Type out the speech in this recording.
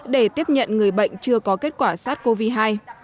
để tiếp nhận người bệnh chưa có kết quả sát covid một mươi chín